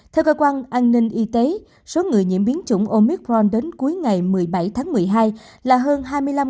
theo cơ quan an ninh y tế số người nhiễm biến chủng omicron đến cuối ngày một mươi bảy tháng một mươi hai là hơn hai mươi năm